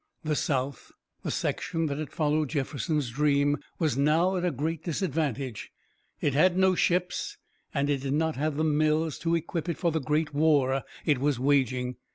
The South, the section that had followed Jefferson's dream, was now at a great disadvantage. It had no ships, and it did not have the mills to equip it for the great war it was waging.